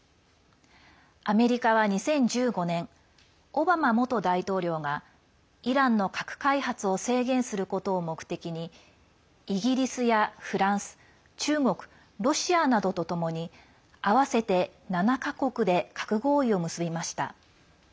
アメリカは２０１５年オバマ元大統領がイランの核開発を制限することを目的にイギリスやフランス中国、ロシアなどとともに合わせて７か国で核合意を結びました。